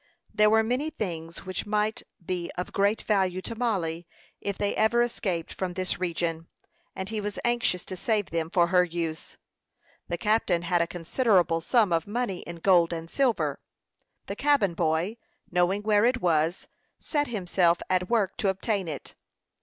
There were many things which might be of great value to Mollie, if they ever escaped from this region, and he was anxious to save them for her use. The captain had a considerable sum of money in gold and silver. The cabin boy, knowing where it was, set himself at work to obtain it.